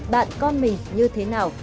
bạn con mình như thế nào